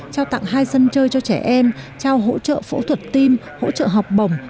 trao tặng hai sân chơi cho trẻ em trao hỗ trợ phẫu thuật tim hỗ trợ học bổng